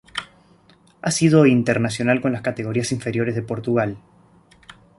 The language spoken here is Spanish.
Ha sido internacional con las categorías inferiores de Portugal.